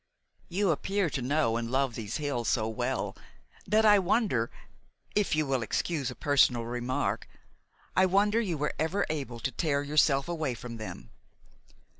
"You appear to know and love these hills so well that I wonder if you will excuse a personal remark I wonder you ever were able to tear yourself away from them."